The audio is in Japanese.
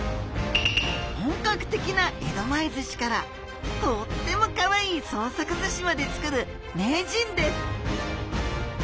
本格的な江戸前寿司からとってもかわいい創作寿司までつくる名人です。